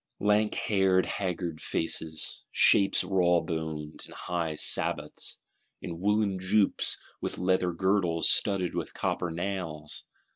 Lank haired haggard faces; shapes rawboned, in high sabots; in woollen jupes, with leather girdles studded with copper nails!